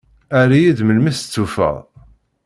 Err-iyi-d melmi testufaḍ.